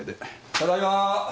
・ただいま。